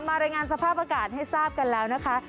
รายงานสภาพอากาศให้ทราบกันแล้วนะคะ